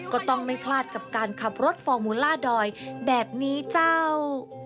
ก็ต้องไม่พลาดกับการขับรถฟอร์มูล่าดอยแบบนี้เจ้า